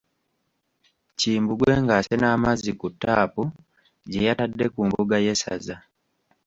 Kimbugwe ng'asena amazzi ku ttaapu gye yatadde ku mbuga y'essaza.